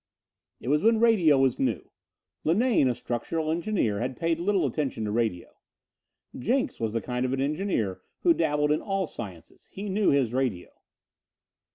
It was when radio was new. Linane, a structural engineer, had paid little attention to radio. Jenks was the kind of an engineer who dabbled in all sciences. He knew his radio.